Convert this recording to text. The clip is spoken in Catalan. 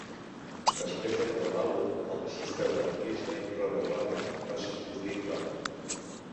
Després de gravar l'àlbum, el baixista de Brisbane Robert Warren va substituir Clark.